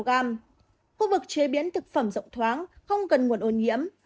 khu vực chế biến thực phẩm rộng thoáng không cần nguồn ô nhiễm